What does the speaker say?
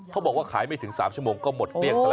เขาบอกว่าขายไม่ถึง๓ชั่วโมงก็หมดเรียงเท่าไร